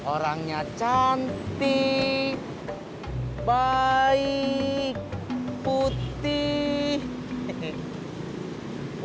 orangnya cantik baik putih